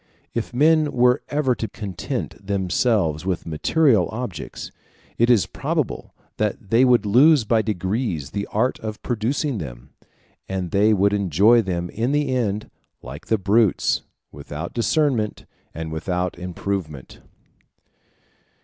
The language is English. If men were ever to content themselves with material objects, it is probable that they would lose by degrees the art of producing them; and they would enjoy them in the end, like the brutes, without discernment and without improvement.